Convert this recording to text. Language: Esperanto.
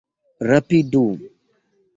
Rapidu!